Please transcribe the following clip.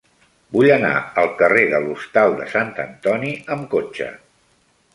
Vull anar al carrer de l'Hostal de Sant Antoni amb cotxe.